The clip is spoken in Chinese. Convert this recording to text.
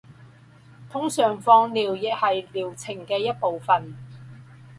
通常放疗也是疗程的一部分。